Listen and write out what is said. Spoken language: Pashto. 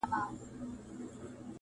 • حرص او تمه او غرور سترګي ړندې کړي -